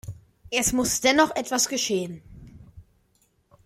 Es muss dennoch etwas geschehen.